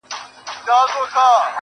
نه پوهېږم چي په څه سره خـــنـــديــــږي~